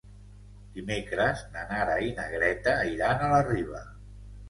Dimecres na Nara i na Greta iran a la Riba.